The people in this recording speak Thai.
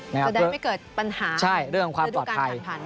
แสดงไม่เกิดปัญหาหรือดูการขันผ่านมาใช่เรื่องของความปลอดภัย